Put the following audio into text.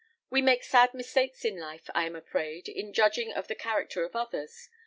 We make sad mistakes in life, I am afraid, in judging of the character of others.